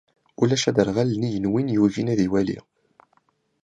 Ulac aderɣal nnig n win yugin ad iwali.